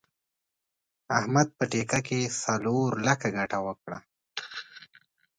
احمد په ټېکه کې څلور لکه ګټه وکړه.